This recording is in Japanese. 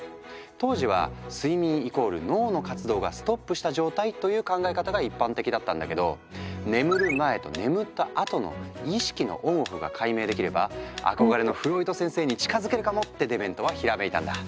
当時は睡眠＝脳の活動がストップした状態という考え方が一般的だったんだけど「眠る前と眠ったあとの意識のＯＮＯＦＦが解明できれば憧れのフロイト先生に近づけるかも！」ってデメントはひらめいたんだ。